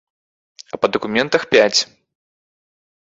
А па дакументах пяць.